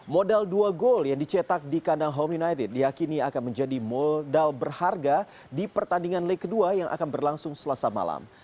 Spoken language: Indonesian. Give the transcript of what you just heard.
modal dua gol yang dicetak di kandang home united diakini akan menjadi modal berharga di pertandingan leg kedua yang akan berlangsung selasa malam